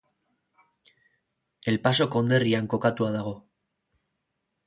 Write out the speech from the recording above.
El Paso konderrian kokatua dago.